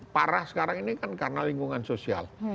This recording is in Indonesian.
parah sekarang ini kan karena lingkungan sosial